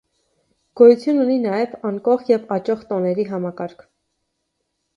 Գոյություն ունի նաև անկող և աճող տոների համակարգ։